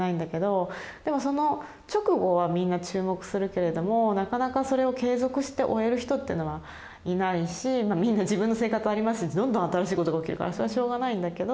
でもその直後はみんな注目するけれどもなかなかそれを継続して追える人っていうのはいないしみんな自分の生活ありますしどんどん新しいことが起きるからそれはしょうがないんだけど。